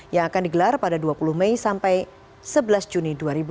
yang akan digelar pada dua puluh mei sampai sebelas juni dua ribu dua puluh